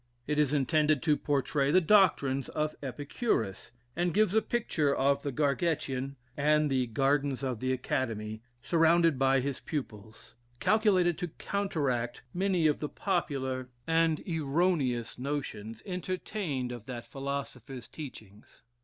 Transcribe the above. It is intended to portray the doctrines of Epicurus, and gives a picture of the Gargettian, in the "Gardens of the Academy," surrounded by his pupils, calculated to counteract many of the popular and erroneous notions entertained of that philosopher's teachings.